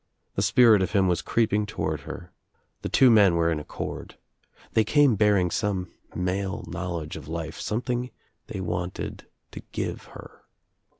The spirit of him was creeping toward her. The two men were in accord. They came bearing some male knowledge of life, something they wanted to ^ve her.